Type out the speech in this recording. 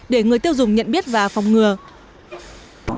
để người tiêu dùng nhận biết và giúp đỡ